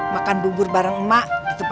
makan bubur bareng emak